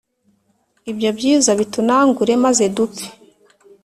ibyo byiza bitunangure maze dupfe